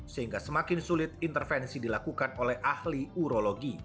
sehingga semakin sulit intervensi dilakukan oleh ahli urologi